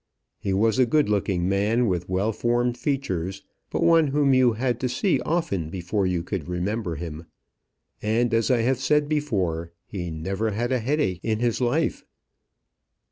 He was a good looking man, with well formed features, but one whom you had to see often before you could remember him. And as I have said before, he "never had a headache in his life."